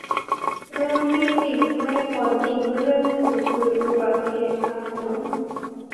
เรื่องที่หลีกไม่พ้นอีกเรื่องหนึ่งคืออุบัติเหตุทางถนน